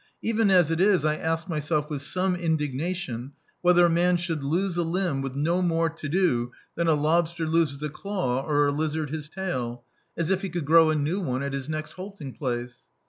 Even as it is, I ask myself with some indignation whether a man should lose a limb with no more to do than a lobster loses a claw or a lizard his tail, as if he could grow a new one at his next halting place!